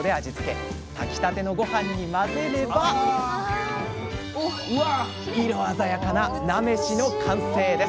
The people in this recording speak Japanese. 炊きたてのごはんに混ぜれば色鮮やかな菜飯の完成です。